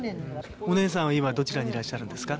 お姉さんは今どちらにいらっしゃるんですか？